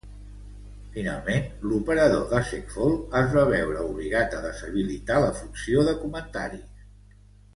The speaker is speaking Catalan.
Finalment, l'operador de Segfault es va veure obligat a deshabilitar la funció de comentaris.